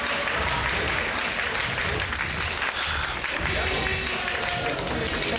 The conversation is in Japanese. よし。